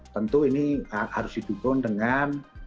tentu ini harus didukung dengan